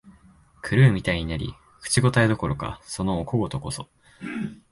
狂うみたいになり、口応えどころか、そのお小言こそ、